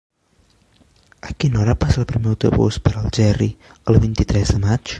A quina hora passa el primer autobús per Algerri el vint-i-tres de maig?